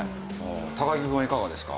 高城くんはいかがですか？